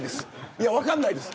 いや、分かんないです